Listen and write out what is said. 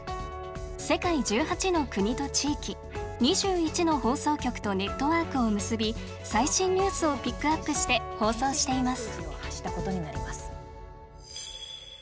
世界１８の国と地域２１の放送局とネットワークを結び最新ニュースをピックアップして放送しています。